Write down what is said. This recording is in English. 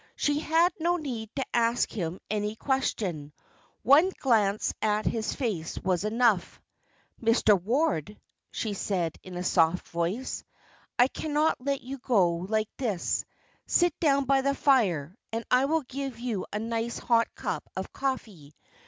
She had no need to ask him any question; one glance at his face was enough. "Mr. Ward," she said, in her soft voice, "I cannot let you go like this. Sit down by the fire, and I will give you a nice hot cup of coffee.